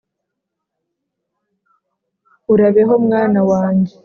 urabeho mwana wanjye